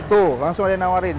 tuh langsung ada yang nawarin